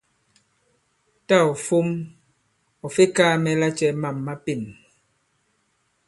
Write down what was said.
Tâ ɔ̀ fom ɔ̀ fe kaā mɛ lacɛ mâm ma pên.